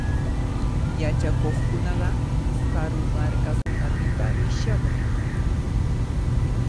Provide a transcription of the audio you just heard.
Yachakuqkunaqa karu markakunapitami shamun.